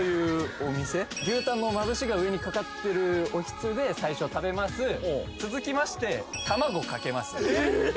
お店牛たんのまぶしが上にかかってるおひつで最初食べます続きまして卵かけますえっ！